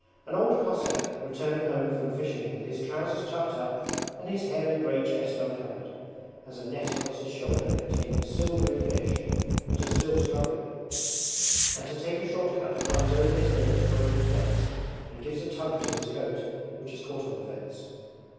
An old Cossack, returning home from fishing with his trousers tucked up and his hairy grey chest uncovered, has a net across his shoulder containing silvery fish that are still struggling; and to take a short cut climbs over his neighbour's broken fence and gives a tug to his coat which has caught on the fence.